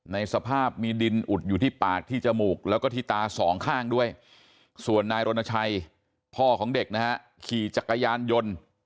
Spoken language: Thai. ในสภาพมีดินอุดอยู่ที่ปากที่จมูกแล้วก็ที่ตาสองข้างด้วยส่วนนายรณชัยพ่อของเด็กนะฮะขี่จักรยานยนต์